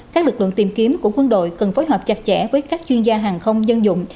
các lực lượng tìm kiếm của quân đội cần phối hợp chặt chẽ với các chuyên gia hàng không dân dụng